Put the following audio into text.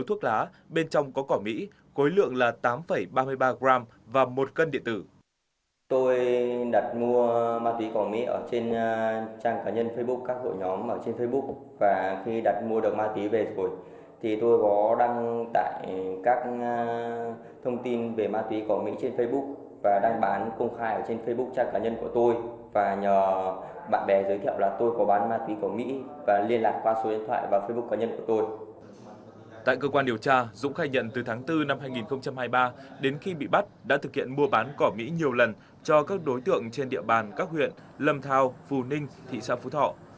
tại cơ quan điều tra dũng khai nhận từ tháng bốn năm hai nghìn hai mươi ba đến khi bị bắt đã thực hiện mua bán cỏ mỹ nhiều lần cho các đối tượng trên địa bàn các huyện lâm thao phù ninh thị xã phú thọ